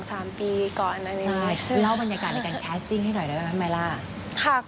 ใช่เล่าบรรยากาศในการแคสติ้งให้หน่อยแล้วนะเมล่าค่ะ